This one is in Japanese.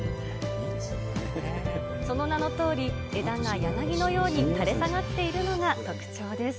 その名のとおり、枝が柳のように垂れ下がっているのが特徴です。